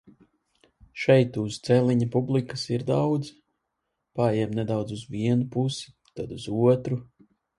Šeit uz celiņa publikas ir daudz, paejam nedaudz uz vienu pusi, tad uz otru.